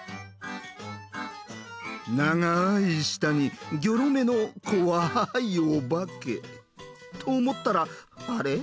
長い舌にギョロ目の怖いお化け。と思ったらあれっ？